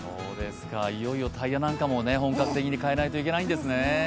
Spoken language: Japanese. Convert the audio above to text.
いよいよタイヤなんかも本格的に代えないといけないんですね。